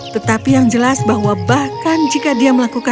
tetapi yang jelas bahwa bahkan jika dia melakukan